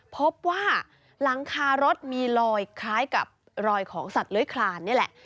พบว่าหลังคารถมีรอยคล้ายกับรอยของสัตว์เลื้อยคลานนี่แหละ